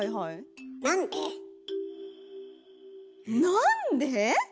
なんで？